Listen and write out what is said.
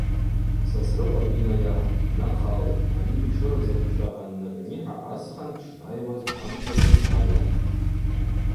Сосрыкъвагьи йнайахвтӏ, днахъалтӏ, ани йшырдза бчва аннакӏнихӏа асхъан дшнайуаз дамцӏасын йгӏайахвтӏ.